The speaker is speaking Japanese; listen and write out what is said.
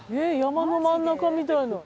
山の真ん中みたいな。